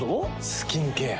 スキンケア。